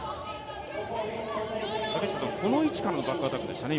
この位置からのバックアタックでしたね。